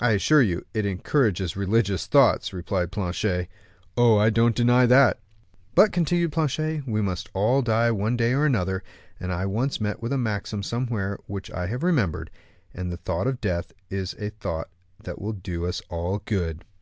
"I assure you it encourages religious thoughts," replied Planchet. "Oh, I don't deny that." "But," continued Planchet, "we must all die one day or another, and I once met with a maxim somewhere which I have remembered, that the thought of death is a thought that will do us all good."